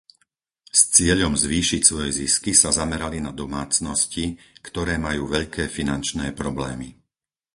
S cieľom zvýšiť svoje zisky sa zamerali na domácnosti, ktoré majú veľké finančné problémy.